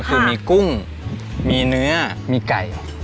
คือมีกุ้งมีเนื้อมีไก่